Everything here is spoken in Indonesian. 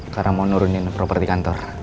karena mau nurunin properti kantor